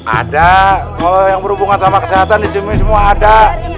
ada kalo yang berhubungan sama kesehatan disini semua ada